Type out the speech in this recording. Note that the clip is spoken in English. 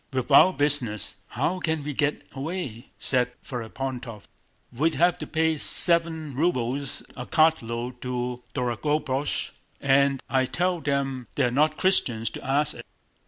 "With our business, how can we get away?" said Ferapóntov. "We'd have to pay seven rubles a cartload to Dorogobúzh and I tell them they're not Christians to ask it!